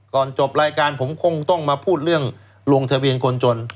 จบรายการผมคงต้องมาพูดเรื่องลงทะเบียนคนจน